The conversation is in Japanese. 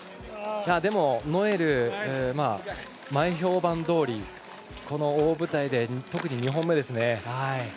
でもノエル、前評判どおりこの大舞台で特に２本目ですね。